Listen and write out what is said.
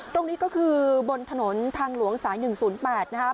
ตรงนี้ก็คือบนถนนทางหลวงสายหนึ่งศูนย์แปดนะฮะ